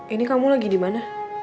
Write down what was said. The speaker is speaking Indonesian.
ini kamu lagi dimana